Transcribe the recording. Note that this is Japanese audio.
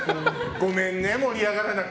ごめんね、盛り上がらなくて。